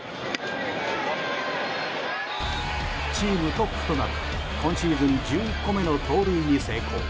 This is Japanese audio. チームトップとなる今シーズン１１個目の盗塁に成功。